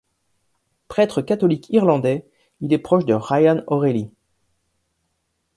Prêtre catholique irlandais, il est proche de Ryan O'Reily.